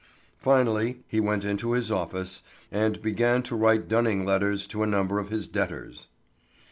Finally he went into his office, and began to write dunning letters to a number of his debtors.